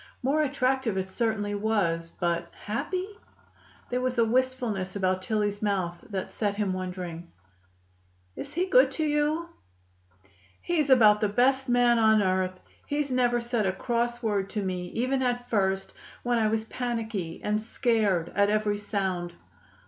More attractive it certainly was, but happy? There was a wistfulness about Tillie's mouth that set him wondering. "Is he good to you?" "He's about the best man on earth. He's never said a cross word to me even at first, when I was panicky and scared at every sound."